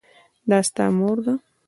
دا ستا مور ده ؟